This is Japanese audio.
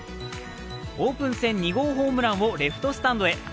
オープン戦２号ホームランをレフトスタンドへ。